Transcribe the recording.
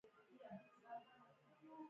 په ژوند کې له سختو ورځو سره مبارزه وشئ